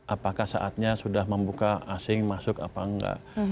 apakah saatnya sudah membuka asing masuk atau tidak